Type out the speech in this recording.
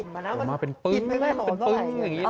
มันเป็นปึ้งเป็นปึ้งอย่างนี้เลย